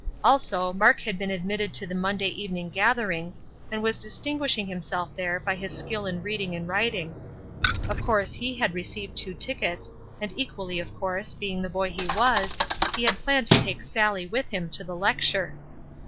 Also, Mark had been admitted to the Monday evening gatherings, and was distinguishing himself there by his skill in reading and writing. Of course, he had received two tickets, and equally of course, being the boy he was, he had planned to take Sallie with him to the lecture.